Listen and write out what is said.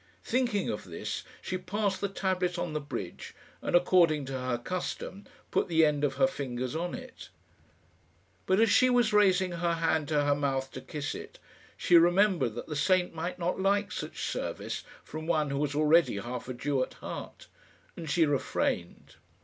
Thinking of this she passed the tablet on the bridge, and, according to her custom, put the end of her fingers on it. But as she was raising her hand to her mouth to kiss it she remembered that the saint might not like such service from one who was already half a Jew at heart, and she refrained.